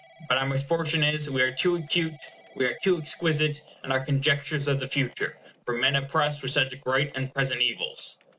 But our misfortune is, we are too acute, we are too exquisite in our conjectures of the future, for men oppressed with suc h great and present evils.